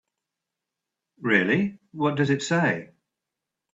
Really, what does it say?